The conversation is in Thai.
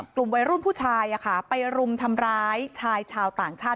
กลุ่มวัยรุ่นผู้ชายไปรุมทำร้ายชายชาวต่างชาติ